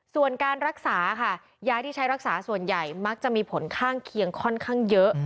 ส่วนการรักษาค่ะยาที่ใช้รักษาส่วนใหญ่มักจะมีผลข้างเคียงค่อนข้างเยอะ